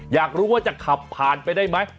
อยากรู้ว่าจะขับผ่านไปได้ไหม